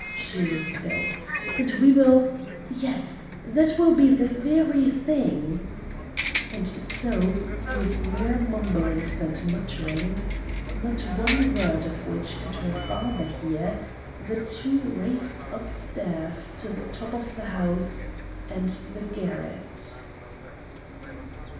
she whispered, "and we will yes that will be the very thing," and so with more mumblings and mutterings, not one word of which could her father hear, the two raced up stairs to the top of the house and the garret.